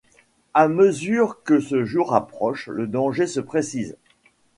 À mesure que ce jour approche, le danger se précise.